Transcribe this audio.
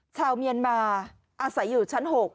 ชาวเมียนมาอาศัยอยู่ชั้น๖